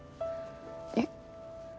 えっ。